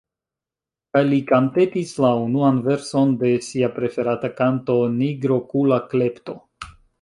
Kaj li kantetis la unuan verson de sia preferata kanto: Nigrokula Klepto.